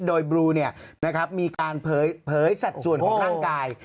โดยบลูเนี่ยนะครับมีการเผยสัดส่วนของร่างกาย